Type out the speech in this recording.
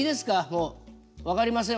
もう分かりません